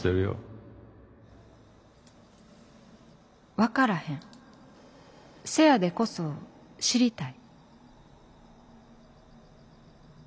「わからへんせやでこそ知りたい」。